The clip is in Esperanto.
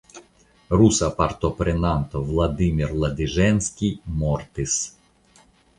Rusa partoprenanto Vladimir Ladiĵenskij mortis.